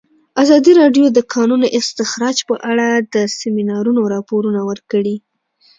ازادي راډیو د د کانونو استخراج په اړه د سیمینارونو راپورونه ورکړي.